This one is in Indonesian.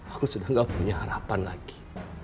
aku sudah gak punya harapan lagi